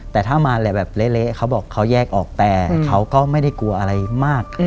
แต่ถ้ามาแบบเละเขาบอกเขาแยกออกแต่เขาก็ไม่ได้กลัวอะไรมาก